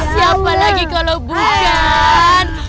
siapa lagi kalau bukan